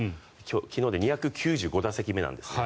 昨日で２９５打席目なんですね。